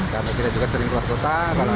karena kita juga sering keluar kota